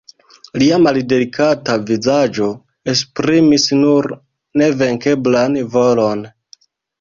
Lia maldelikata vizaĝo esprimis nur nevenkeblan volon.